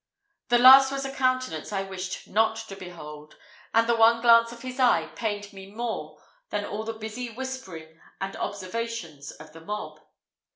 The last was a countenance I wished not to behold, and the one glance of his eye pained me more than all the busy whispering and observations of the mob.